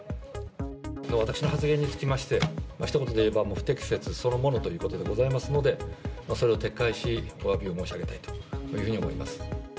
私の発言につきまして、ひと言で言えば不適切そのものでございますということですので、それを撤回し、おわびを申し上げたいというふうに思います。